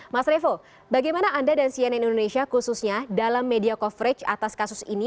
mas revo bagaimana anda dan cnn indonesia khususnya dalam media coverage atas kasus ini